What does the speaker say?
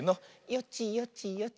よちよちよち。